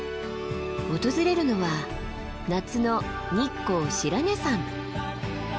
訪れるのは夏の日光白根山。